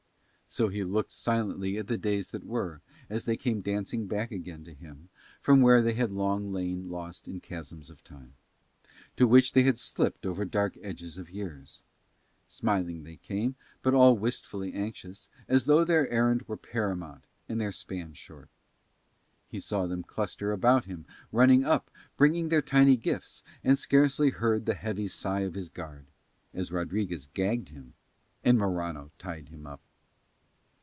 So he looked silently at the days that were as they came dancing back again to him from where they had long lain lost in chasms of time, to which they had slipped over dark edges of years. Smiling they came, but all wistfully anxious, as though their errand were paramount and their span short: he saw them cluster about him, running now, bringing their tiny gifts, and scarcely heard the heavy sigh of his guard as Rodriguez gagged him and Morano tied him up.